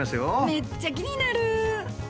めっちゃ気になる。